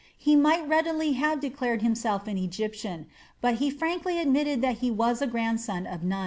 He might readily have declared himself an Egyptian, but he frankly admitted that he was a grandson of Nun.